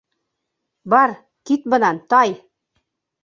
Бар, кит бынан, тай!